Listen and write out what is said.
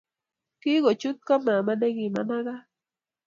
Kagochut go mama nikomanagat